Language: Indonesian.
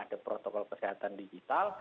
ada protokol kesehatan digital